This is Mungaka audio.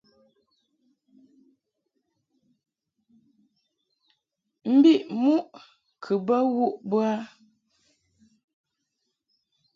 Mbiʼ muʼ kɨ bə wuʼ bə a .